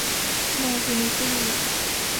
แมวฟินิตี้